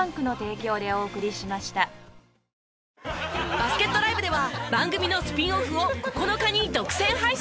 バスケットＬＩＶＥでは番組のスピンオフを９日に独占配信！